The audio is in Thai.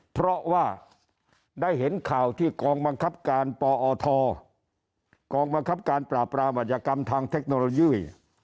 เพราะว่าได้เห็นข่าวที่กองมังคับการปอทประมาจกรรมทางเทคโนโลยี